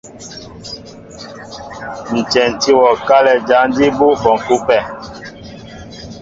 Ǹ tyɛntí wɔ kálɛ jǎn jí bú bɔnkɛ́ ú pɛ.